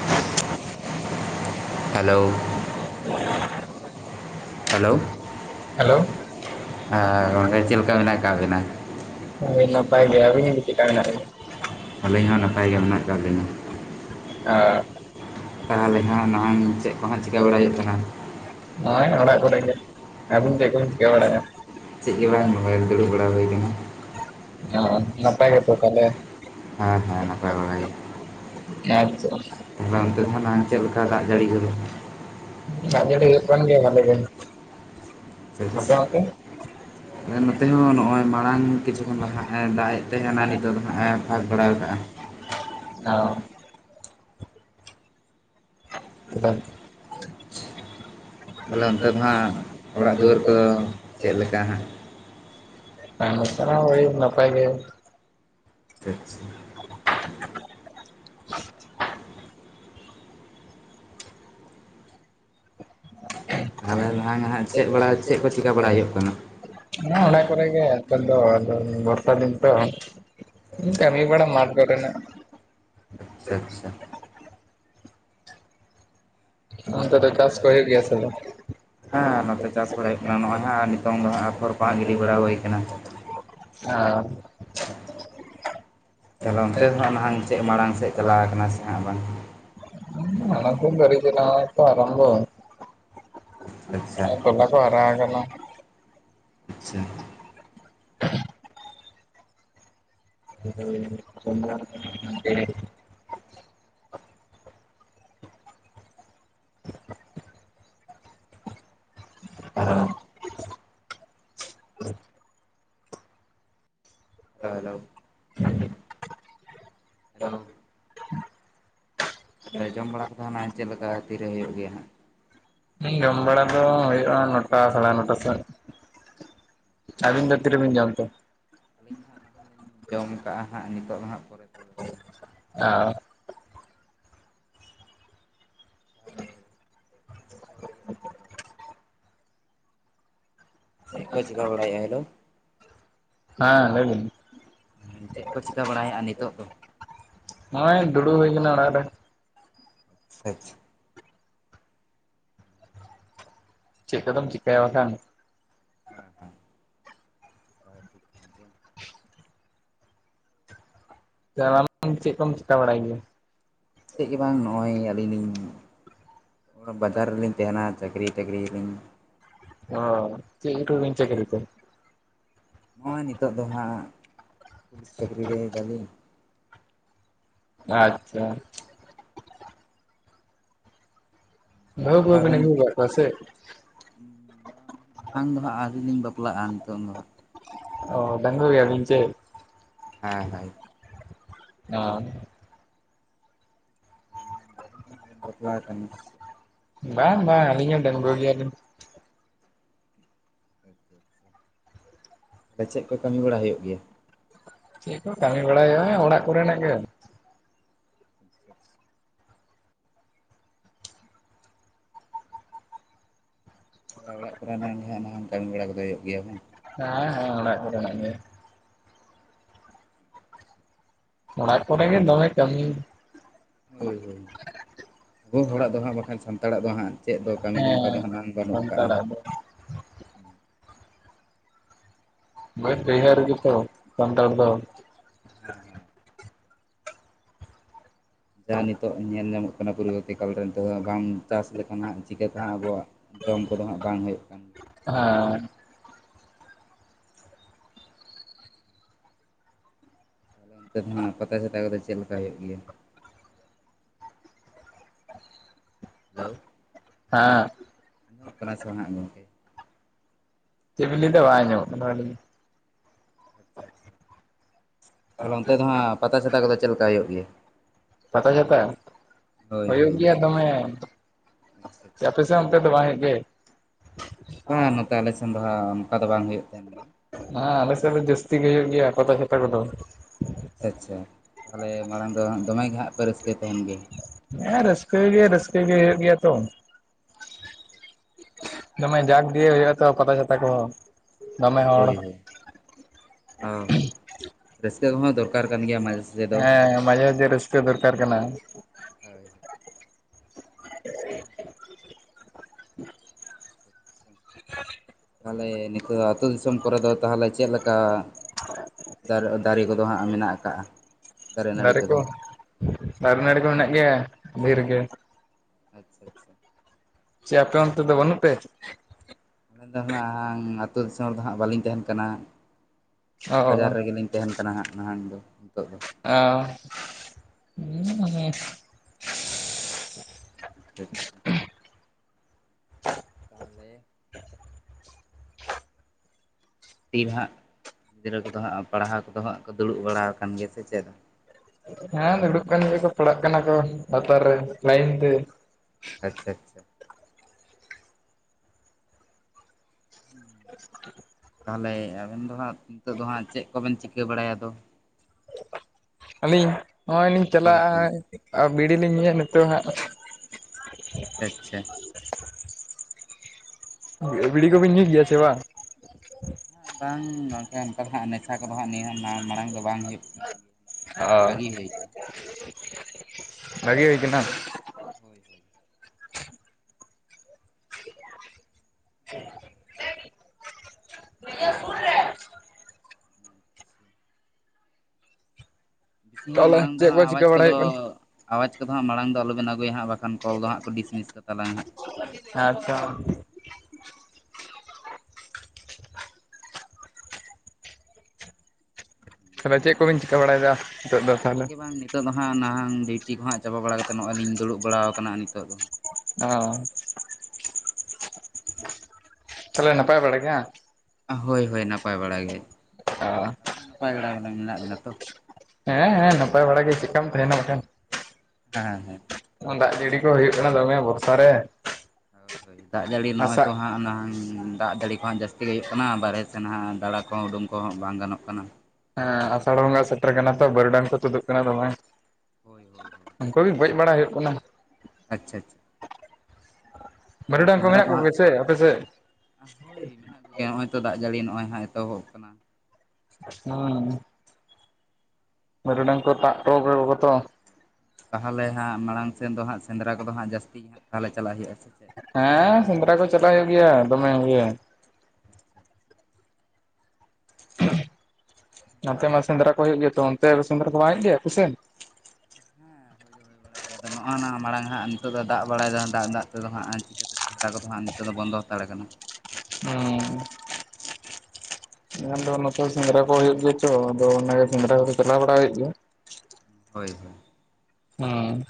[inaudible] Hello [inaudible] hello hello ᱦᱮ ᱚᱰᱮ ᱪᱮᱫ ᱞᱮᱠᱟ ᱢᱮᱱᱟᱜ ᱟᱠᱟᱜ ᱵᱤᱱᱟ ᱦᱚᱭ ᱱᱟᱯᱟᱭ ᱜᱮ ᱟᱹᱵᱤᱱ ᱪᱮᱫ ᱠᱟ ᱢᱮᱱᱟᱜ ᱵᱤᱱᱟ? ᱟᱹᱞᱤᱧ ᱦᱚᱸ ᱱᱟᱯᱟᱭ ᱜᱮ ᱢᱮᱱᱟᱜ ᱠᱟᱜ ᱞᱤᱧᱟ᱾ [unintelligible] ᱛᱟᱦᱚᱞᱮ ᱱᱟᱜ ᱱᱚᱜ ᱚᱭ ᱪᱮᱫ ᱠᱚᱦᱚᱸ ᱪᱤᱠᱟᱹ ᱵᱟᱲᱟ ᱦᱩᱭᱩᱜ ᱠᱟᱱᱟ? ᱱᱚᱜᱼᱚᱭ ᱚᱲᱟᱜ ᱠᱚᱨᱮ ᱜᱮ [inaudible] ᱟᱹᱵᱤᱱ ᱪᱮᱫ ᱠᱚᱵᱤᱱ ᱪᱤᱠᱟᱹ ᱵᱟᱲᱟ ᱭᱮᱜ-ᱟ? ᱪᱮᱫ ᱜᱮ ᱵᱟᱝ ᱱᱚᱜ ᱚᱭ ᱫᱩᱲᱩᱵ ᱵᱟᱲᱟ ᱦᱩᱭ ᱠᱟᱱᱟ ᱾ [unintelligible] ᱱᱟᱯᱟᱭ ᱜᱮ ᱛᱚ ᱛᱟᱦᱚᱞᱮ᱾ ᱦᱩᱸ ᱦᱩᱸ ᱱᱟᱯᱟᱭ ᱵᱟᱲᱟ ᱜᱮ᱾ [unintelligible] [unintelligible] ᱚᱱᱛᱮ ᱫᱚ ᱱᱟᱸᱜ ᱪᱮᱫ ᱞᱮᱠᱟ ᱫᱟᱜ ᱡᱟᱹᱲᱤ ᱜᱚᱫᱚ ᱫᱟᱜ ᱡᱟᱲᱤ ᱦᱳᱭᱳᱜ ᱠᱟᱱᱟ ᱜᱮᱭᱟ ᱱᱚᱸᱰᱮ ᱫᱚ [inaudible] ᱱᱚᱛᱮ ᱦᱚᱸ ᱱᱚᱜᱼᱚᱸᱚᱭ ᱢᱟᱲᱟᱝ ᱠᱤᱪᱷᱩ ᱠᱷᱚᱱ ᱞᱟᱦᱟᱜᱼ ᱫᱟᱜ ᱮᱫ ᱛᱟᱦᱮᱱᱟᱭ ᱱᱤᱛᱚᱜ ᱫᱚ ᱦᱟᱸᱜᱼ ᱮ ᱯᱷᱟᱸᱠ ᱵᱟᱲᱟ ᱠᱟᱜᱼᱟ ᱚ [unintelligible] ᱛᱟᱦᱚᱞᱮ ᱚᱱᱛᱮ ᱫᱚ ᱦᱟᱸᱜ ᱚᱲᱟᱜ ᱫᱩᱣᱟᱹᱨ ᱠᱚ ᱪᱮᱫ ᱞᱮᱠᱟ ᱦᱟᱸᱜ ᱟᱭᱢᱟ ᱥᱟᱨᱦᱟᱣ ᱳᱭ ᱱᱟᱯᱟᱭ ᱜᱮ ᱟᱪᱷᱟ ᱪᱟ ᱢᱟᱱᱮ ᱦᱮᱸ ᱱᱚᱣᱟ ᱱᱟᱦᱟᱸᱜ ᱪᱮᱫ ᱵᱟᱲᱟ ᱪᱮᱫ ᱠᱚ ᱪᱤᱠᱟᱹ ᱵᱟᱲᱟᱭ ᱦᱩᱭᱩᱜ ᱠᱟᱱᱟ ᱱᱚ ᱚᱲᱟᱜ ᱠᱚᱨᱮ ᱜᱮ ᱱᱮᱛᱟᱨ ᱫᱚ ᱵᱚᱨᱥᱟ ᱫᱤᱱ ᱛᱚ ᱠᱟᱹᱢᱤ ᱵᱟᱲᱟ ᱢᱟᱴ ᱠᱨᱮᱱᱟᱜ ᱟᱪᱪᱷᱟ ᱟᱪᱪᱷᱟ ᱚᱱᱛᱮ ᱫᱚ ᱪᱟᱥ ᱠᱚ ᱦᱳᱭᱳᱜ ᱜᱮᱭᱟ ᱥᱮ ᱵᱟᱝ ᱦᱮᱸ ᱱᱚᱛᱮ ᱪᱟᱥ ᱵᱟᱲᱟᱭ ᱦᱩᱭᱩᱜ ᱠᱟᱱᱟ ᱱᱚᱜᱚᱭ ᱦᱟᱸᱜ ᱱᱤᱛᱚᱝ ᱫᱚ ᱦᱟᱸᱜ ᱟᱯᱷᱚᱨ ᱠᱚᱸᱦᱚ ᱜᱤᱰᱤ ᱵᱟᱲᱟ ᱦᱩᱭ ᱠᱟᱱᱟ ᱚ ᱛᱟᱦᱚᱞᱮ ᱚᱱᱛᱮ ᱫᱚ ᱦᱟᱸᱜ ᱱᱟᱦ ᱪᱮᱫ ᱢᱟᱲᱟᱝ ᱥᱮᱫ ᱪᱟᱞᱟᱣ ᱠᱟᱱᱟ ᱥᱮ ᱦᱟᱜ ᱵᱟᱝ ᱚᱱᱟᱠᱚ ᱜᱟᱨᱤ ᱪᱟᱞᱟᱜ [unintelligible] ᱟᱪᱪᱷᱟ ᱛᱚᱞᱟ ᱠᱚ ᱦᱟᱨᱟ ᱠᱟᱱᱟ ᱟᱪᱪᱷᱟ [unintelligible] ᱦᱮᱞᱳ ᱦᱮᱞᱳ ᱦᱮᱞᱳᱣ ᱦᱮ ᱡᱚᱢ ᱵᱟᱲᱟ ᱠᱚᱫᱚ ᱱᱚᱭ ᱪᱮᱫ ᱞᱮᱠᱟ ᱛᱤᱨᱮ ᱦᱩᱭᱩᱜ ᱜᱮᱭᱟ ᱦᱟᱸᱜ ᱞᱟ. ᱭᱫᱟ. ᱧ ᱡᱚᱢ ᱵᱟᱲᱟ ᱫᱚ ᱦᱩᱭᱩᱜᱼᱟ ᱱᱚᱴᱟ ᱥᱟᱲᱮ ᱱᱚᱴᱟ ᱥᱮᱫ ᱟᱵᱤᱱ ᱫᱚ ᱛᱤᱨᱮᱵᱤᱱ ᱡᱚᱢᱛᱮ ᱟᱹᱞᱤᱧ ᱦᱟᱸᱜ ᱱᱟᱦᱚᱸ ᱞᱤᱧ ᱡᱚᱢ ᱠᱟᱜᱼᱟ ᱦᱟᱸᱜ ᱱᱤᱛᱚᱜ ᱫᱚ ᱦᱟᱸᱜ ᱯᱚᱨᱮ ᱛᱮ ᱚ ᱛᱟᱦᱚᱞᱮ ᱪᱮᱫ ᱠᱚ ᱦᱟᱸᱜ ᱪᱤᱠᱟᱹ ᱵᱟᱲᱟᱭ ᱦᱩᱭᱩᱜᱼᱟ ᱱᱤᱛᱚᱜ ᱫᱚ ᱪᱮᱫᱠᱚ ᱪᱮᱠᱟ ᱵᱟᱲᱟᱭᱟ ᱦᱮᱞᱳ ᱦᱮᱸ ᱞᱟᱹᱭᱵᱤᱱ ᱢᱟᱱᱮ ᱪᱮᱫ ᱠᱚ ᱪᱤᱠᱟᱹ ᱵᱟᱲᱟᱭᱮᱫᱼᱟ ᱱᱤᱛᱚᱜ ᱫᱚ ᱱᱚᱜ ᱚᱭ ᱫᱩᱲᱩᱵ ᱦᱩᱭ ᱠᱟᱱᱟ ᱚᱲᱟᱜ ᱨᱮ ᱟᱪᱪᱷᱟ ᱪᱮᱫ ᱠᱚ ᱫᱚᱢ ᱪᱤᱠᱟᱭᱟ ᱵᱟᱝ ᱠᱷᱟᱱ ᱦᱮᱸ ᱦᱮᱸ [inaudible] [inaudible] ᱪᱮᱫ ᱠᱚᱢ ᱪᱤᱠᱟ ᱵᱟᱲᱟᱭ ᱜᱮᱭᱟ ᱪᱮᱫ ᱜᱮ ᱵᱟᱝ ᱱᱚᱜᱼᱚᱭ ᱟᱹᱞᱤᱝ ᱞᱤᱧ ᱵᱟᱡᱟᱨ ᱨᱮᱞᱤᱧ ᱛᱟᱦᱮᱱᱟ ᱪᱟᱹᱠᱨᱤ ᱴᱟᱹᱠᱨᱤ ᱞᱤᱝ ᱚ ᱪᱮᱫ ᱠᱚᱨᱮ ᱵᱤᱱ ᱪᱟᱠᱨᱤ ᱛᱮ ᱱᱚᱜᱼᱚᱭ ᱱᱤᱛᱚᱜ ᱫᱚ ᱦᱟᱸᱜ ᱯᱩᱞᱤᱥ ᱪᱟᱹᱠᱨᱤ ᱨᱮ ᱫᱟᱞᱤᱧ ᱟᱪᱪᱷᱟ ᱪᱟ ᱵᱟᱦᱩ ᱠᱚ ᱵᱟᱵᱮᱱ ᱟᱵᱮᱱ ᱟᱹᱜᱩ ᱠᱟᱫ ᱠᱚᱣᱟ ᱥᱮ ᱵᱟᱝ ᱫᱚ ᱦᱟᱸᱜ ᱟᱹᱣᱨᱤᱞᱤᱧ ᱵᱟᱯᱞᱟᱜᱼᱟ ᱱᱤᱛᱚᱝ ᱫᱚ ᱦᱟᱸᱜ ᱚ ᱰᱟᱺᱜᱽᱣᱟᱹ ᱜᱮᱭᱟᱵᱤᱱ ᱪᱮ ᱦᱮᱸ ᱦᱳᱭ ᱚ ᱵᱟᱯᱞᱟ ᱟᱠᱟᱱᱟ ᱥᱮ ᱵᱟᱝ ᱵᱟᱝ ᱟᱹᱞᱤᱧ ᱦᱚᱸ ᱰᱟᱺᱜᱽᱣᱟᱹ ᱜᱮᱭᱟᱞᱤᱧ ᱪᱮᱫ? ᱟᱪᱪᱷᱟ ᱟᱪᱪᱷᱟ ᱪᱮᱫ ᱠᱚ ᱠᱟᱹᱢᱤ ᱵᱟᱲᱟ ᱦᱩᱭᱩᱜ ᱜᱮᱭᱟ ᱪᱮᱫ ᱠᱚ ᱠᱟᱹᱢᱤ ᱵᱟᱲᱟᱭᱟ ᱚᱲᱟᱜ ᱠᱚᱨᱮᱱᱟᱜ ᱜᱮ [unintelligible] ᱛᱟᱦᱞᱮ ᱚᱲᱟᱜ ᱠᱚᱨᱮᱱᱟᱝ ᱜᱮ ᱦᱟᱸᱜ ᱚᱱᱟ ᱦᱚᱸ ᱠᱟᱹᱢᱤ ᱵᱟᱲᱟ ᱠᱚ ᱫᱚ ᱦᱩᱭᱩᱜ ᱜᱮᱭᱟ ᱵᱟᱝ ᱦᱮᱸ ᱦᱮᱸ ᱚᱲᱟᱜ ᱠᱚᱨᱮᱱᱟᱜ ᱜᱮ ᱚᱲᱟᱜ ᱠᱚᱨᱮ ᱜᱮ ᱫᱚᱢᱮ ᱠᱟᱹᱢᱤ ᱦᱳᱭ ᱦᱳᱭ ᱟᱵᱚ ᱦᱚᱲᱟᱜ ᱫᱚ ᱦᱟᱸᱜ ᱵᱟᱠᱷᱟᱱ ᱥᱟᱱᱛᱟᱲᱟᱜ ᱫᱚ ᱦᱟᱸᱜ ᱪᱮᱫ ᱫᱚ ᱠᱟᱹᱢᱤ ᱫᱚ ᱚᱱᱠᱟ ᱫᱚ ᱦᱮᱸ ᱦᱟᱸᱜ ᱵᱟᱝ ᱥᱟᱱᱛᱟᱲᱟᱜ ᱫᱚ ᱵᱟᱹᱫ ᱵᱟᱹᱭᱦᱟᱹᱲ ᱜᱮᱛᱚ ᱥᱟᱱᱛᱟᱲ ᱫᱚ ᱦᱮᱸ ᱦᱮᱸ ᱡᱟᱦᱟᱸ ᱱᱤᱛᱚᱜ ᱧᱮᱞ ᱧᱟᱢᱚᱜ ᱠᱟᱱᱟ ᱯᱚᱨᱚᱵᱚᱨᱛᱤ ᱠᱟᱞᱨᱮ ᱱᱤᱛᱚᱜ ᱦᱚᱸ ᱵᱟᱝ ᱪᱟᱥ ᱞᱮᱠᱷᱟᱱ ᱦᱟᱸᱜ ᱪᱤᱠᱟᱹᱛᱮ ᱦᱟᱸᱜ ᱟᱵᱚᱣᱟᱜ ᱡᱚᱢ ᱠᱚᱫᱚ ᱦᱟᱸᱜ ᱵᱟᱝ ᱦᱩᱭᱩᱜ ᱠᱟᱱ ᱜᱮᱭᱟ ᱦᱮᱸ ᱛᱟᱦᱚᱞᱮ ᱚᱱᱛᱮ ᱫᱚ ᱦᱟᱸᱜ ᱯᱟᱛᱟ ᱪᱷᱟᱛᱟ ᱠᱚᱫᱚ ᱪᱮᱫ ᱞᱮᱠᱟ ᱦᱩᱭᱩᱜ ᱜᱮᱭᱟ ᱦᱮᱞᱳ ᱦᱟᱸ ᱟᱸᱡᱚᱢᱚᱜ ᱠᱟᱱᱟ ᱥᱮ ᱵᱟᱝ ᱦᱟᱸᱜ ᱜᱚᱢᱠᱮ ᱪᱮᱫ ᱵᱤᱱ ᱞᱟᱹᱭᱫᱟ ᱵᱟᱝ ᱟᱸᱡᱚᱢᱚᱜ, ᱵᱟᱞᱤᱧ ᱟᱪᱪᱷᱟ ᱚᱱᱛᱮ ᱫᱚ ᱦᱟᱸᱜ ᱯᱟᱛᱟ ᱪᱷᱟᱛᱟ ᱠᱚᱫᱚ ᱪᱮᱫ ᱞᱮᱠᱟ ᱦᱩᱭᱩᱜ ᱜᱮᱭᱟ ᱯᱟᱛᱟ ᱪᱷᱟᱛᱟ ᱦᱳᱭ ᱦᱩᱭᱩᱜ ᱦᱳᱭ ᱜᱮᱭᱟ ᱫᱚᱢᱮ ᱟᱪᱪᱷᱟ ᱟᱪᱪᱷᱟ ᱟᱯᱮ ᱥᱮᱫ ᱚᱱᱛᱮ ᱫᱚ ᱵᱟᱝ ᱦᱩᱭᱩᱜ ᱜᱮ ᱵᱟᱝ ᱱᱚᱛᱮ ᱟᱞᱮ ᱥᱮᱱ ᱫᱚ ᱦᱟᱸᱜ ᱚᱱᱠᱟ ᱫᱚ ᱵᱟᱝ ᱦᱩᱭᱩᱜ ᱛᱟᱦᱮᱱ ᱜᱮᱭᱟ ᱦᱮᱸ ᱟᱞᱮ ᱥᱮᱫ ᱫᱚ ᱡᱟᱹᱥᱛᱤ ᱜᱮ ᱦᱩᱭᱩᱜ ᱜᱮᱭᱟ ᱯᱟᱛᱟ ᱪᱷᱟᱛᱟ ᱠᱚᱫᱚ ᱟᱪᱪᱷᱟ ᱟᱪᱪᱷᱟ ᱛᱟᱞᱦᱮ ᱢᱟᱲᱟᱝ ᱫᱚ ᱫᱚᱢᱮ ᱜᱮ ᱦᱟᱸᱜ ᱯᱮ ᱨᱟᱹᱥᱠᱟᱹᱭ ᱛᱟᱦᱮᱱ ᱜᱮᱭᱟ ᱦᱮᱸ ᱨᱟᱹᱥᱠᱟᱹ ᱜᱮ ᱨᱟᱹᱥᱠᱟᱹ ᱜᱮ ᱦᱩᱭᱩᱜ ᱜᱮᱭᱟ ᱛᱚ ᱫᱚᱢᱮ ᱡᱟᱠ ᱫᱤᱭᱮ ᱦᱩᱭᱩᱜᱼᱟ ᱛᱚ ᱯᱟᱛᱟ-ᱪᱷᱟᱛᱟ ᱠᱚ ᱦᱚᱸ ᱦᱳᱭ ᱦᱳᱭ ᱚ ᱦᱚᱸ ᱨᱟᱹᱥᱠᱟᱹ ᱠᱚᱦᱚᱸ ᱫᱚᱨᱠᱟᱨ ᱠᱟᱱ ᱜᱮᱭᱟ ᱢᱟᱡᱷᱮ-ᱥᱟᱡ ᱦᱮᱸ ᱢᱟᱡᱷᱮ-ᱥᱟᱡᱷᱮ ᱨᱟᱹᱥᱠᱟᱹ ᱫᱚᱨᱠᱟᱨ ᱠᱟᱱᱟ ᱦᱳᱭ [unintelligible] ᱛᱟᱦᱞᱮ ᱱᱤᱛᱚᱜ ᱟᱹᱛᱩ ᱫᱤᱥᱚᱢ ᱠᱚᱨᱮ ᱫᱚ ᱛᱟᱦᱞᱮ ᱪᱮᱫ ᱞᱮᱠᱟ ᱫᱟᱨᱮ, ᱫᱟᱨᱮ ᱠᱚᱫᱚ ᱦᱟᱸᱜ ᱢᱮᱱᱟᱜ ᱟᱠᱟᱜᱼᱟ ᱱᱟᱹᱲᱤ ᱫᱟᱨᱮ ᱠᱚ ᱠᱚᱫᱚ ᱫᱟᱨᱮ ᱱᱟᱹᱲᱤ ᱠᱚ ᱢᱮᱱᱟᱜ ᱜᱮᱭᱟ ᱰᱷᱮᱨ ᱜᱮ ᱟᱪᱪᱷᱟ ᱟᱪᱪᱷᱟ ᱪᱮᱫ ᱟᱯᱮ ᱚᱱᱛᱮ ᱫᱚ ᱵᱟᱹᱱᱩᱜ ᱛᱮ ᱟᱞᱤᱧ ᱫᱚ ᱦᱩᱱᱟᱹᱝ ᱟᱹᱛᱩ ᱫᱤᱥᱚᱢ ᱨᱮ ᱫᱚ ᱦᱟᱸᱜ ᱵᱟᱹᱞᱤᱧ ᱛᱟᱦᱮᱱ ᱠᱟᱱᱟ ᱵᱟᱡᱟᱨ ᱚ ᱨᱮᱜᱮᱞᱤᱧ ᱛᱟᱦᱮᱱ ᱠᱟᱱᱟ ᱦᱟᱸᱜ ᱱᱟᱦᱟᱜ ᱫᱚ ᱱᱤᱛᱚᱜ ᱫᱚ ᱚ, ᱦᱩᱸ ᱦᱩᱸ ᱴᱷᱤᱠ ᱛᱟᱦᱞᱮ ᱛᱤᱨᱮ ᱦᱟᱸᱜ ᱜᱤᱫᱽᱨᱟᱹ ᱠᱚᱫᱚ ᱦᱟᱸᱜ ᱯᱟᱲᱦᱟᱣ ᱠᱚᱫᱚ ᱦᱟᱸᱜ ᱠᱚ ᱫᱩᱲᱩᱵ ᱵᱟᱲᱟᱣᱟᱠᱟᱱ ᱜᱮᱭᱟ ᱥᱮ ᱪᱮᱫ ᱦᱮᱸ ᱫᱩᱲᱩᱵ ᱠᱟᱱ ᱜᱮᱭᱟ ᱠᱚ ᱯᱟᱲᱟᱜ ᱠᱟᱱᱟ ᱠᱚ ᱞᱟᱛᱟᱨ ᱨᱮ ᱞᱟᱭᱤᱱ ᱛᱮ ᱟᱪᱪᱷᱟ ᱟᱪᱪᱷᱟ ᱛᱟᱦᱚᱞᱮ ᱟᱵᱮᱱ ᱫᱚ ᱦᱟᱸᱜ ᱱᱤᱛᱚᱜ ᱫᱚ ᱦᱟᱸᱜ ᱪᱮᱫ ᱠᱚᱵᱮᱱ ᱪᱤᱠᱟᱹ ᱵᱟᱲᱟᱭᱟ ᱟᱫᱚ ᱟᱹᱞᱤᱧ ᱱᱚᱜᱼᱚᱭ ᱞᱤᱧ ᱦᱳᱭ ᱪᱟᱞᱟᱜᱼᱟ ᱦᱳᱭ ᱟᱨ ᱵᱤᱲᱤ ᱞᱤᱧ ᱧᱩᱭᱟ ᱱᱤᱛᱚᱜ ᱦᱟᱸᱜ ᱟᱪᱪᱷᱟ ᱟᱪᱪᱷᱟ ᱵᱤᱲᱤ ᱠᱚ ᱵᱤᱱ ᱧᱩᱭ ᱜᱮᱭᱟ ᱥᱮ ᱵᱟᱝ ᱵᱟᱝ ᱜᱚᱝᱠᱮ ᱚᱱᱠᱟ ᱫᱚ ᱦᱟᱸᱜ ᱱᱮᱥᱟ ᱠᱚ ᱫᱚ ᱦᱟᱸᱜ ᱱᱤᱭᱟᱹ ᱢᱟᱲᱟᱝ ᱫᱚ ᱵᱟᱝ ᱦᱩᱭᱩᱜ ᱠᱟᱱ ᱜᱮᱭᱟ ᱚ ᱵᱟᱹᱜᱤ ᱦᱩᱭ ᱟᱠᱟᱱᱟ ᱵᱷᱟᱹᱜᱤ ᱦᱩᱭ ᱠᱟᱱᱟ [unintelligible] ᱦᱳᱭ ᱦᱳᱭ ᱵᱮᱥᱤ ᱦᱟᱸᱜ ᱛᱟᱦᱚᱞᱮ ᱢᱟᱲᱟᱝ ᱫᱚ ᱪᱮᱫ ᱦᱟᱸᱜ ᱪᱤᱠᱟᱹ ᱟᱣᱟᱡᱽ ᱠᱚ ᱵᱟᱲᱟᱭ ᱫᱚ ᱦᱩᱭᱩᱜ ᱠᱟᱱᱟ ᱟᱣᱟᱡᱽ ᱠᱚ ᱫᱚ ᱦᱟᱸᱜ ᱢᱟᱲᱟᱝ ᱫᱚ ᱟᱞᱚ ᱵᱮᱱ ᱟᱹᱜᱩᱭᱟ ᱦᱟᱸᱜ ᱵᱟᱠᱷᱟᱱ ᱠᱚᱞ ᱫᱚ ᱦᱟᱸᱜ ᱠᱚ ᱰᱤᱥ ᱢᱤᱥ ᱠᱟᱛᱟ ᱞᱟᱝ ᱦᱟᱸᱜ ᱦᱮᱸ ᱟᱪᱪᱷᱟ ᱛᱟᱦᱞᱮ ᱪᱮᱫ ᱠᱚ ᱵᱤᱱ ᱪᱤᱠᱟᱹ ᱵᱟᱲᱟᱭ ᱫᱟ ᱪᱮᱫ ᱜᱮ ᱵᱟᱝ ᱱᱤᱛᱚᱜ ᱫᱚ ᱦᱟᱸᱜ ᱱᱟᱦᱽ ᱰᱤᱭᱩᱴᱤ ᱠᱚ ᱦᱟᱸᱜ ᱪᱟᱵᱟ ᱵᱟᱲᱟ ᱠᱟᱛᱮᱫ ᱱᱚᱜᱼᱚᱭ ᱞᱤᱧ ᱫᱩᱲᱩᱵ ᱵᱟᱲᱟ ᱟᱠᱟᱱᱟ ᱱᱤᱛᱚᱜ ᱫᱚ ᱦᱟᱸᱜ ᱚ ᱛᱟᱞᱮ ᱱᱟᱯᱟᱭ ᱵᱟᱲᱟ ᱜᱮ ᱵᱟᱝ ᱦᱳᱭ ᱦᱳᱭ ᱱᱟᱯᱟᱭ ᱵᱟᱲᱟ ᱜᱮ ᱚ ᱟᱵᱤᱱ ᱦᱚᱸ ᱱᱟᱯᱟᱭ ᱵᱟᱲᱟ ᱵᱚᱞᱮ ᱢᱮᱱᱟᱜ ᱵᱮᱱᱟ ᱛᱚ ᱦᱮᱸ ᱦᱮᱸ ᱱᱟᱯᱟᱭ ᱵᱟᱲᱟ ᱜᱮ ᱪᱮᱠᱟᱢ ᱛᱟᱦᱮᱱᱟ ᱵᱟᱠᱷᱟᱱ ᱦᱮᱸ ᱦᱮᱸ ᱫᱟᱜ ᱡᱟᱹᱲᱤ ᱠᱚ ᱦᱩᱭᱩᱜ ᱠᱟᱱᱟ ᱫᱚᱢᱮ ᱵᱚᱨᱥᱟ ᱨᱮ ᱦᱳᱭ ᱦᱳᱭ ᱫᱟᱜ ᱡᱟᱹᱲᱤ ᱱᱚᱜᱼᱚᱭ ᱟᱥᱟᱜ ᱛᱚ ᱦᱟᱸᱜ ᱱᱟᱝ ᱫᱟᱜ ᱡᱟᱹᱲᱤ ᱠᱚ ᱦᱚᱸ ᱡᱟᱹᱥᱛᱤ ᱜᱮ ᱦᱩᱭᱩᱜ ᱠᱟᱱᱟ ᱵᱟᱨᱦᱮ ᱥᱮᱱ ᱦᱚᱸ ᱫᱟᱬᱟ ᱠᱚ ᱦᱚᱸ ᱩᱰᱩᱝ ᱠᱚ ᱦᱚᱸ ᱵᱟᱝ ᱜᱟᱱᱚᱜ ᱠᱟᱱᱟ ᱦᱮᱸ ᱟᱥᱟᱲ ᱵᱚᱸᱜᱟ ᱥᱮᱴᱮᱨ ᱠᱟᱱᱟ ᱛᱚ ᱵᱟᱹᱨᱩᱰᱟᱝ ᱠᱚ ᱛᱩᱫᱩᱜ ᱠᱟᱱᱟ ᱫᱚᱢᱮ ᱦᱳᱭ ᱦᱳᱭ ᱦᱳᱭ ᱠᱩᱡ ᱜᱚᱡ ᱵᱟᱲᱟ ᱦᱩᱭᱩᱜ ᱠᱟᱱᱟ ᱟᱪᱪᱷᱟ ᱟᱪᱪᱷᱟ ᱛᱟᱦᱞᱮ ᱵᱟᱹᱨᱩᱰᱟᱝ ᱥᱮᱸᱫᱽᱨᱟ ᱠᱚ ᱢᱮᱱᱟᱜ ᱠᱚᱜᱮ ᱦᱟᱸᱜ ᱥᱮ ᱟᱯᱮ ᱥᱮᱫ? ᱦᱳᱭ ᱢᱮᱱᱟᱜ ᱠᱚ ᱜᱮᱭᱟ ᱱᱚᱜᱼᱚᱭ ᱛᱚ ᱫᱟᱜ ᱡᱟᱹᱲᱤ ᱱᱚᱜᱼᱚᱭ ᱦᱟᱸᱜ ᱮᱛᱚᱦᱚᱵ ᱠᱟᱱᱟ ᱦᱩᱸ ᱵᱟᱨᱩᱰᱟᱝ ᱠᱚ [unintelligible] ᱛᱟᱦᱚᱞᱮ ᱦᱟᱸᱜ ᱢᱟᱲᱟᱝ ᱥᱮᱱ ᱫᱚ ᱦᱟᱸᱜ ᱥᱮᱸᱫᱽᱨᱟ ᱠᱚ ᱫᱚ ᱦᱟᱸᱜ ᱡᱟ. ᱥᱛᱤ ᱜᱮ ᱦᱟᱸᱜ ᱛᱟᱦᱚᱞᱮ ᱪᱟᱞᱟᱜ ᱦᱩᱭᱩᱜᱼᱟ ᱥᱮ ᱪᱮᱫ ᱦᱮᱸ ᱥᱮᱸᱫᱽᱨᱟ ᱠᱚ ᱪᱟᱞᱟᱜ ᱦᱩᱭᱩᱜ ᱜᱮᱭᱟ ᱫᱚᱢᱮ ᱜᱮ ᱚᱱᱛᱮ ᱢᱟ ᱥᱮᱸᱫᱽᱨᱟ ᱠᱚ ᱦᱩᱭᱩᱜ ᱜᱮᱭᱟ ᱛᱚ ᱚᱱᱛᱮ ᱥᱮᱸᱫᱽᱨᱟ ᱠᱚ ᱵᱟᱝ ᱦᱩᱭᱩᱜ ᱜᱮᱭᱟ ᱟᱯᱮ ᱥᱮᱱ ᱦᱮᱸ ᱦᱩᱭ ᱫᱚ ᱦᱩᱭ ᱵᱟᱲᱟᱜ ᱜᱮᱭᱟ ᱟᱫᱚ ᱱᱚᱜᱼᱚ ᱱᱟᱜ ᱢᱟᱲᱟᱝ ᱦᱟᱸᱜ ᱱᱤᱛᱚᱜ ᱫᱚ ᱫᱟᱜ ᱵᱟᱲᱟᱭ ᱫᱟ ᱫᱟᱜ ᱫᱟᱜ ᱛᱮᱫᱚ ᱦᱟᱸᱜ ᱪᱤᱠᱟᱹ ᱚᱠᱟ ᱠᱚ ᱫᱚ ᱦᱟᱸᱜ ᱱᱤᱛᱚᱜ ᱫᱚ ᱵᱚᱱᱫᱚ ᱦᱟᱛᱟᱲ ᱠᱟᱱᱟ ᱦᱚᱸᱻ ᱢᱮᱱ ᱫᱚ ᱱᱚᱛᱮ ᱥᱮᱸᱫᱽᱨᱟ ᱠᱚ ᱦᱩᱭᱩᱜ ᱜᱮᱭᱟ ᱪᱚ ᱟᱫᱚ ᱚᱸᱫᱮ ᱥᱮᱸᱫᱽᱨᱟ ᱠᱚ ᱫᱚ ᱪᱟᱞᱟᱣ ᱵᱟᱲᱟ ᱦᱩᱭᱩᱜ ᱜᱮᱭᱟ ᱦᱳᱭ ᱦᱳᱭ ᱦᱚᱸ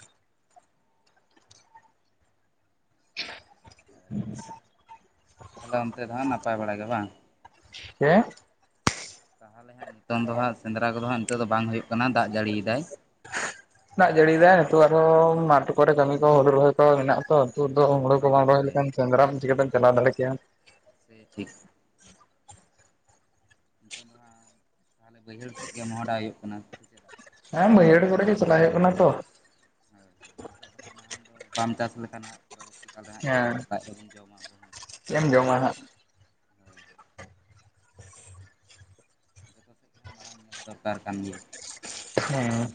ᱟᱪᱪᱷᱟ ᱚᱱᱛᱮ ᱫᱚ ᱦᱟᱜ ᱱᱟᱯᱟᱭ ᱵᱟᱲ ᱜᱮ ᱵᱟᱝ [unintelligible] ᱛᱟᱦᱚᱞᱮ ᱦᱟᱸᱜ ᱱᱤᱛᱚᱝ ᱫᱚ ᱦᱟᱸᱜ ᱥᱮᱸᱫᱽᱨᱟ ᱠᱚ ᱫᱚ ᱦᱟᱸᱜ ᱱᱤᱛᱚᱜ ᱫᱚ ᱵᱟᱝ ᱦᱩᱭᱩᱜ ᱠᱟᱱᱟ ᱫᱟᱜ ᱡᱟᱹᱲᱤ ᱤᱫᱟᱭ ᱫᱟᱜ ᱡᱟᱹᱲᱤ ᱮᱫᱟᱭ ᱱᱤᱛᱚᱜ ᱟᱨᱦᱚᱸ ᱢᱟᱴ ᱠᱚ ᱨᱮ ᱠᱟᱹᱢᱤ ᱠᱚ ᱦᱩᱲᱩ ᱨᱚᱦᱚᱭ ᱠᱚ ᱢᱮᱱᱟᱜ ᱠᱚ ᱛᱩᱫ ᱫᱚ ᱦᱳᱢᱲᱳ ᱠᱚ ᱦᱳᱭ ᱵᱟᱝ ᱨᱚᱦᱚᱭ ᱦᱳᱭ ᱞᱮᱠᱷᱟᱱ ᱥᱮᱸᱫᱽᱨᱟ ᱦᱚᱸ ᱟᱢ ᱪᱤᱠᱟᱹ ᱛᱮᱢ ᱪᱟᱞᱟᱣ ᱫᱟᱲᱮ ᱠᱮᱭᱟ ᱥᱮ ᱴᱷᱤᱠ ᱱᱤᱛᱚᱝ ᱫᱚ ᱦᱟᱸᱜ ᱛᱟᱦᱚᱞᱮ ᱵᱟᱹᱭᱦᱟᱹᱲ ᱥᱮᱫ ᱜᱮ ᱢᱚᱦᱚᱰᱟ ᱦᱩᱭᱩᱜ ᱠᱟᱱᱟ ᱥᱮ ᱪᱮᱫᱟᱜ ᱦᱮᱸ ᱵᱟᱹᱭᱦᱟᱹᱲ ᱠᱚᱨᱮ ᱜᱮ ᱪᱟᱞᱟᱜ ᱦᱩᱭᱩᱜ ᱠᱟᱱᱟ ᱛᱚ ᱦᱳᱭ ᱦᱳᱭ ᱱᱤᱛᱚᱜ ᱫᱚ ᱦᱟᱸᱜ ᱱᱟᱦᱟᱝ ᱫᱚ ᱵᱟᱢ ᱪᱟᱥ ᱞᱮᱠᱷᱟᱱ ᱦᱟᱸᱜ [inaudible] ᱟᱫᱚ ᱦᱟᱸᱜ ᱪᱮᱫ ᱦᱮᱸ ᱞᱟᱡ ᱨᱮᱵᱚᱱ ᱡᱚᱢᱟ [unintelligible] ᱪᱮᱫ ᱮᱢ ᱡᱚᱢᱟ ᱦᱟᱸᱜ ᱡᱚᱛᱚ ᱥᱮᱫ ᱠᱷᱚᱱᱟᱜ ᱢᱟᱲᱟᱝ ᱧᱮᱞ ᱫᱚᱨᱠᱟᱨ ᱠᱟᱱ ᱜᱮᱭᱟ ᱦᱮᱸ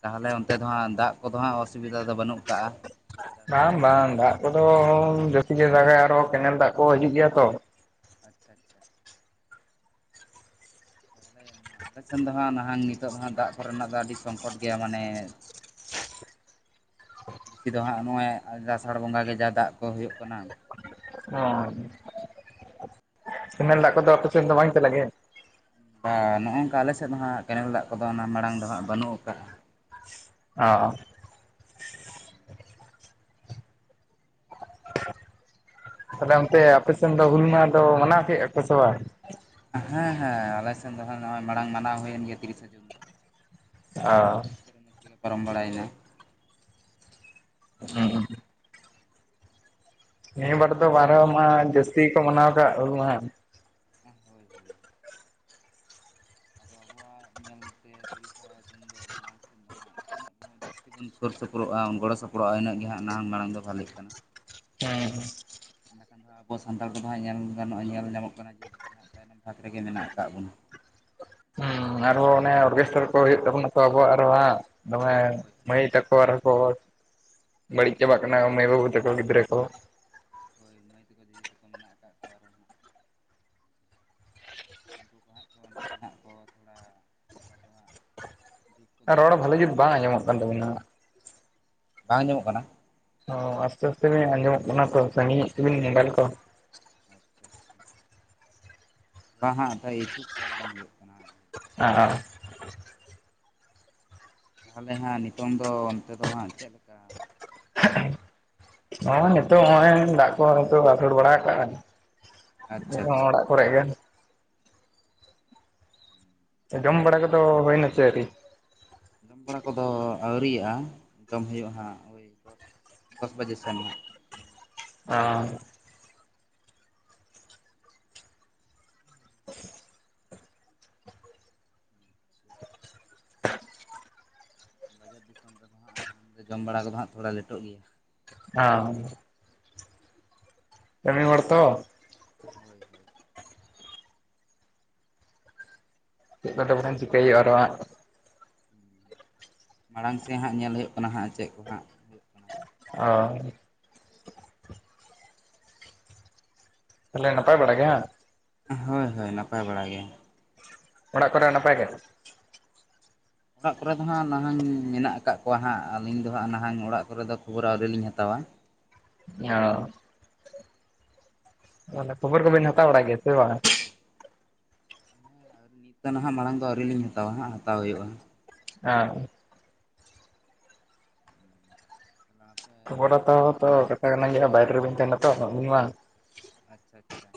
ᱛᱟᱦᱚᱞᱮ ᱚᱱᱛᱮ ᱫᱚ ᱦᱟᱜ ᱫᱟᱜ ᱠᱚᱫᱚ ᱦᱟᱸᱜ ᱚᱥᱩᱵᱤᱫᱟ ᱫᱚ ᱵᱟᱹᱱᱩᱜ ᱠᱟᱜ - ᱟ ᱵᱟᱝ ᱵᱟᱝ ᱫᱟᱜ ᱠᱚᱫᱚ ᱡᱟᱹᱥᱛᱤ ᱡᱟᱭᱜᱟ ᱨᱮ ᱟᱨᱚ ᱠᱮᱱᱮᱞ ᱫᱟᱜ ᱠᱚ ᱦᱤᱡᱩᱜ ᱜᱮᱭᱟ ᱛᱚ ᱟᱪᱪᱷᱟ ᱟᱪᱪᱷᱟ ᱟ ᱟᱞᱮᱮᱥᱱ ᱫᱚ ᱦᱟᱸᱜ ᱱᱟᱦᱟᱜ ᱱᱤᱛᱚᱜ ᱫᱚ ᱦᱟᱜ ᱫᱟᱜ ᱠᱚᱨᱮᱱᱟᱜ ᱫᱚ ᱟᱹᱰᱤ ᱥᱚᱝᱠᱚᱴ ᱜᱮᱭᱟ ᱢᱟᱱᱮ [unintelligible] ᱫᱚ ᱦᱟᱸᱜ ᱱᱚᱜᱼᱚᱭ ᱟᱥᱟᱲ ᱵᱚᱸᱜᱟ ᱜᱮ ᱡᱟ ᱫᱟᱜ ᱠᱚ ᱦᱩᱭᱩᱜ ᱠᱟᱱᱟ ᱚ ᱠᱮᱱᱮᱞ ᱫᱟᱜ ᱠᱚᱫᱚ ᱟᱯᱮ ᱥᱮᱫ ᱫᱚ ᱵᱟᱝ ᱪᱟᱞᱟᱜ ᱜᱮ ᱵᱟ ᱱᱚᱜᱼ ᱱᱚᱝᱠᱟ ᱟᱞᱮᱮᱥᱮᱫ ᱫᱚ ᱦᱟᱸᱜ ᱠᱮᱱᱮᱞ ᱫᱟᱜ ᱠᱚᱫᱚ ᱚᱱᱟ ᱢᱟᱲᱟᱝ ᱫᱚ ᱦᱟᱸᱜ ᱵᱟᱹᱱᱩᱜ ᱟᱠᱟᱜᱼᱟ ᱚ ᱛᱟᱦᱞᱮ ᱚᱱᱛᱮ ᱟᱯᱮ ᱥᱮᱱ ᱫᱚ ᱦᱩᱞ ᱢᱟᱦᱟ ᱫᱚ ᱢᱟᱱᱟᱣ ᱠᱮᱫᱼᱟ ᱠᱚ ᱥᱮ ᱵᱟᱝ ᱦᱮᱸ ᱦᱮᱸ ᱟᱞᱮᱮᱥᱱ ᱫᱚ ᱱᱚᱜᱼᱚᱭ ᱢᱟᱲᱟᱝ ᱢᱟᱱᱟᱣ ᱦᱩᱭᱮᱱ ᱜᱮᱭᱟ ᱛᱤᱨᱤᱥᱟ ᱡᱩᱱ ᱫᱚ ᱟᱹᱰᱤ ᱚ ᱨᱟᱹᱥᱠᱟᱹ ᱨᱚᱢᱚᱡᱽ ᱛᱮᱜᱮ ᱯᱟᱨᱚᱢ ᱵᱟᱲᱟᱭᱮᱱᱟ ᱦᱚᱢ ᱱᱤᱭᱟᱹ ᱵᱟᱨ ᱫᱚ ᱵᱟᱨᱦᱚ ᱢᱟ ᱡᱟᱹᱥᱛᱤ ᱜᱮᱠᱚ ᱢᱟᱱᱟᱣ ᱟᱠᱟ ᱟ ᱦᱩᱞᱢᱟᱦᱟ ᱦᱳᱭ ᱦᱳᱭ ᱟᱫᱚ ᱟᱵᱚᱣᱟᱜ ᱧᱮᱞᱛᱮ ᱛᱤᱨᱤᱥᱟ ᱡᱩᱱ ᱫᱚ ᱢᱟᱲᱟᱝ ᱥᱮᱫ ᱫᱚᱦᱟᱜ ᱛᱤᱱᱟᱹᱜ ᱵᱚᱱ ᱡᱟᱹᱥᱛᱤ ᱵᱚᱱ ᱥᱩᱨ ᱥᱩᱯᱩᱨᱚᱜᱼᱟᱚᱱ ᱜᱚᱲᱚ ᱥᱚᱯᱚᱦᱚᱫᱼᱟ ᱤᱱᱟᱹᱜ ᱜᱮ ᱦᱟᱜ ᱱᱟᱦ ᱢᱟᱲᱟᱝ ᱫᱚ ᱵᱷᱟᱹᱞᱤᱜ ᱠᱟᱱᱟ ᱦᱮᱸᱸ ᱢᱮᱱᱠᱷᱟᱱ ᱫᱚᱟᱸᱜ ᱟᱵᱚ ᱥᱟᱱᱛᱟᱲ ᱠᱚᱫᱚ ᱦᱟᱸᱜ ᱧᱮᱞ ᱜᱟᱱᱚᱜᱼᱟ ᱧᱮᱞ ᱧᱟᱢᱚᱜ ᱠᱟᱱᱟ ᱡᱮ ᱵᱤᱥᱤ ᱦᱟᱸᱜ ᱛᱟᱭᱚᱢ ᱵᱷᱟᱜ ᱨᱮᱜᱮ ᱢᱮᱱᱟᱜ ᱟᱠᱟᱫ ᱵᱚᱱᱟ ᱦᱩᱸ ᱟᱨᱦᱚᱸ ᱚᱱᱮ ᱚᱨᱜᱮᱥᱴᱟᱨ ᱠᱚ ᱦ ᱦᱩᱭᱩᱜ ᱛᱟᱵᱚᱱᱟ ᱛᱚ ᱟᱵᱚᱣᱟᱜ ᱟᱨᱦ ᱦᱟᱸᱜ ᱛᱚᱵᱮ ᱦᱳᱭ ᱦᱳᱭ ᱢᱟᱹᱭ ᱛᱮᱠᱚ ᱟᱨ ᱦᱚᱠᱚ ᱦᱳᱭ ᱵᱟᱹᱲᱤᱢ ᱪᱟᱵᱟᱜ ᱢᱟᱹᱭ ᱠᱟᱱᱟ ᱠᱚ ᱛᱟᱠᱚ ᱢᱮᱟᱹᱭ ᱫᱤᱫᱤ ᱵᱟᱹᱵᱩ ᱛᱟᱠᱚ ᱜᱤᱫᱽᱨ ᱠᱚ ᱦᱳᱭ ᱢᱟᱹᱭ ᱛᱮᱟᱠᱚ ᱫᱤᱫᱤ ᱛᱮᱠᱚ ᱢᱮᱱᱟᱜ ᱟᱠᱟᱫ ᱠᱚᱣᱟ ᱟᱨᱚ ᱦᱟᱸᱜ ᱩᱱᱠᱩ ᱠᱚ ᱦᱟᱸᱜ ᱛᱚ ᱚᱸᱰᱮ ᱜᱮ ᱦᱟᱸᱜ ᱠᱚ ᱛᱷᱚᱲᱟ ᱱᱮᱛᱟᱨ ᱫᱚ ᱦᱟᱸᱜ ᱡᱩᱜᱽ ᱠᱚᱫᱚ ᱦᱟᱸᱜ ᱨᱚᱲ ᱵᱟᱹᱞᱤ ᱯᱟᱞᱴᱟᱣ ᱡᱩᱛ ᱧᱚᱜ ᱵᱟᱝ ᱟᱠᱟᱱᱟ ᱟᱸᱡᱚᱢᱚᱜ ᱠᱟᱱ ᱛᱟᱵᱚᱱᱟ ᱵᱟᱝ ᱧᱟᱢᱚᱜ ᱠᱟᱱᱟ ᱦ ᱟᱥᱛᱮ ᱟᱥᱛᱮ ᱢᱮ ᱟᱡᱚᱢᱜ ᱠᱚᱱᱟ ᱛᱚ ᱥᱟᱹᱜᱤᱢ ᱵᱤ [unintelligible] ᱟᱪᱪᱷᱟ ᱟᱪᱪᱷᱟ [unintelligible] ᱦᱩᱭᱩᱜ ᱠᱟᱱᱟ ᱦᱩᱭ ᱫᱟᱲᱮᱭᱟᱜᱼᱟ ᱛᱷᱚᱲᱟ ᱟᱨ ᱫᱚ [unintelligible] ᱛᱟᱦᱚᱞᱮ ᱦᱟᱸᱜ ᱱᱤᱛᱚᱝ ᱫᱚ ᱚᱱᱛᱮ ᱫᱚ ᱦᱟᱸᱜ ᱪᱮᱫ ᱞᱮᱠᱟ [unintelligible] ᱦᱚᱸᱜ ᱱᱤᱛᱚᱜ ᱱᱚᱜᱼᱚᱭ ᱫᱟᱜ ᱠᱚᱦᱚᱸ ᱱᱤᱛᱚᱜ ᱟᱹᱥᱩᱲ ᱵᱟᱲᱟ ᱠᱟᱜᱼᱟᱤᱛ ᱟᱪᱪᱷᱟ ᱟᱪᱪᱷᱟ ᱚᱲᱟᱜ ᱯᱚᱨᱮᱜ ᱜᱮ ᱡᱚᱢ ᱵᱟᱲᱟ ᱠᱚᱫᱚ ᱦᱩᱭᱱᱟ ᱪᱮ ᱟᱩᱨᱤ ᱡᱚᱢ ᱵᱟᱲᱟ ᱠᱚᱫᱚ ᱟᱹᱣᱨᱤᱭᱟᱜᱼᱟ ᱡᱚᱢ ᱦᱩᱭᱩᱜᱼᱟ ᱦᱟᱸᱜ ᱫᱚᱥ ᱵᱟᱡᱮ ᱥᱮᱱ ᱦᱟᱸᱜ ᱳ [unintelligible] ᱡᱚᱢ ᱵᱟᱲᱟ ᱠᱚᱫᱚ ᱦᱟᱸᱜ ᱛᱷᱚᱲᱟ ᱞᱮᱴᱚᱜ ᱜᱮᱭᱟ ᱦᱟᱸ ᱠᱟᱹᱢᱤ ᱦᱚᱲ ᱛᱚ ᱦᱳᱭ ᱦᱳᱭ ᱪᱮᱫ ᱠᱚ ᱛᱟᱵᱚᱱ ᱮᱢ ᱪᱤᱠᱟᱹᱟ ᱟᱫᱚ ᱦᱟᱸᱜ ᱦᱩᱸ ᱢᱟᱲᱟᱝ ᱥᱮᱫ ᱦᱟᱸᱜ ᱧᱮᱞ ᱦᱩᱭᱩᱜ ᱠᱟᱱᱟ ᱦᱟᱸᱜ ᱪᱮᱫ ᱠᱚ ᱦᱟᱸᱜ ᱦᱩᱭᱩᱜ ᱠᱟᱱᱟ ᱚ ᱛᱟᱦᱚᱞᱮ ᱱᱟᱯᱟᱭ ᱵᱟᱲᱟ ᱜᱮ ᱦᱮᱸᱜ ᱦᱚᱭ ᱦᱟᱭ ᱱᱟᱯᱟᱭ ᱵᱟᱲᱟ ᱜᱮ᱾ ᱚᱲᱟᱜ ᱠᱚᱨᱮ ᱱᱟᱯᱟᱭ ᱜᱮ? ᱚᱲᱟᱜ ᱠᱚᱨᱮ ᱫᱚ ᱦᱟᱸᱜ ᱱᱟᱦᱟᱝ ᱢᱮᱱᱟᱜ ᱟᱠᱟᱫ ᱠᱚᱣᱟ ᱦᱟᱸᱜ ᱟᱞᱤᱧ ᱫᱚ ᱦᱟᱸᱜ ᱱᱟᱦᱟᱝ ᱚᱲᱟᱜ ᱠᱚᱨᱮ ᱫᱚ ᱠᱷᱚᱵᱚᱨ ᱟᱣᱨᱤ ᱞᱤᱧ ᱦᱟᱛᱟᱣᱟ᱾ ᱧᱚ᱾ ᱛᱟᱦᱚᱞᱮ ᱠᱷᱚᱵᱚᱨ ᱠᱚᱵᱤᱱ ᱦᱟᱛᱟᱣ ᱵᱟᱲᱟᱭ ᱜᱮᱭᱟ ᱥᱮ ᱵᱟ? ᱱᱤᱛᱚᱜ ᱱᱟᱦᱟᱸᱜ ᱢᱟᱬᱟᱝ ᱫᱚ ᱟᱣᱨᱤ ᱞᱤᱧ ᱦᱟᱛᱟᱣᱟ ᱦᱟᱸᱜ ᱦᱟᱛᱟᱣ ᱦᱩᱭᱩᱜ-ᱟ᱾ ᱟᱨ, ᱠᱞᱟᱯ ᱠᱷᱚᱵᱚᱨ ᱦᱟᱛᱟᱣ ᱦᱚᱸᱛᱚ ᱠᱟᱛᱷᱟ ᱠᱟᱱᱟ ᱜᱮᱭᱟ ᱵᱟᱭᱨᱮ ᱨᱮᱵᱤᱱ ᱛᱟᱦᱮᱱᱟ ᱛᱚ ᱟᱵᱤᱱ ᱢᱟ᱾ ᱟᱪᱪᱷᱟ ᱟᱪᱪᱷᱟ᱾